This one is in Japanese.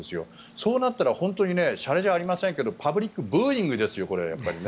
そうなったら本当にしゃれじゃないですがパブリックブーイングですよ。